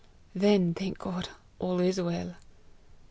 "Then, thank God, all is well!"